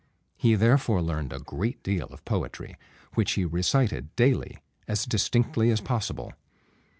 He therefore learned a great deal of poetry, which he recited daily as distinctly as possible.